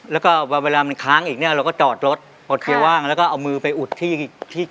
แล้วก็เวลามันค้างอีกเนี่ยเราก็จอดรถปลดเกียร์ว่างแล้วก็เอามือไปอุดที่ที่